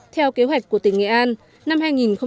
theo kế hoạch của tỉnh nghệ an năm hai nghìn một mươi tám